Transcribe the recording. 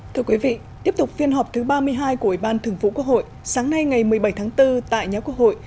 thưa quý vị tiếp tục phiên họp thứ ba mươi hai của ủy ban thường vụ quốc hội sáng nay ngày một mươi bảy tháng bốn tại nhà quốc hội